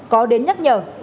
có đến nhắc nhở